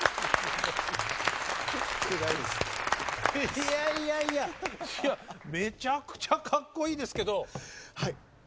いやいやいやめちゃくちゃかっこいいですけど私